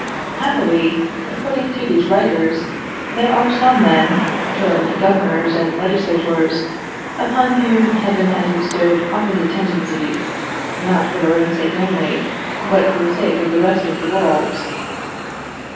Happily, according to these writers, there are some men, termed governors and legislators, upon whom Heaven has bestowed opposite tendencies, not for their own sake only, but for the sake of the rest of the world.